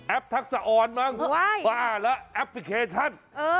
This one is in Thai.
แอปทักษะอ่อนมั้งและแอปพลิเคชัน